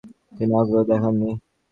তিনি আগ্রহ দেখান নি।